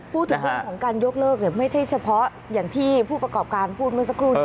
พูดถึงเรื่องของการยกเลิกไม่ใช่เฉพาะอย่างที่ผู้ประกอบการพูดเมื่อสักครู่นี้